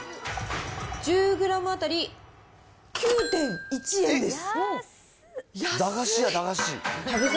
１０グラム当たり９．１円です。